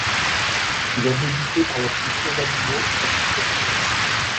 Il a débuté par la sculpture d'animaux et d'architecture.